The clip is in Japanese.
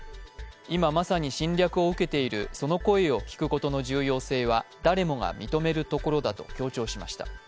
今まさに侵略を受けているその声を聞くことの重要性は誰もが認めるところだと強調しました。